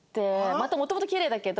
またもともとキレイだけど。